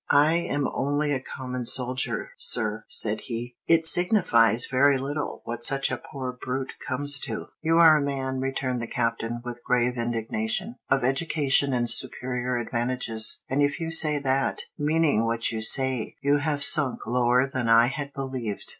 "I am only a common soldier, sir," said he. "It signifies very little what such a poor brute comes to." "You are a man," returned the Captain, with grave indignation, "of education and superior advantages; and if you say that, meaning what you say, you have sunk lower than I had believed.